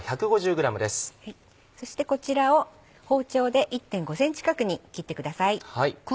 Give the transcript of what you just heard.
そしてこちらを包丁で１．５ｃｍ角に切ってください。